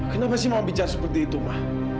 kenapa sih mama bicara seperti itu ma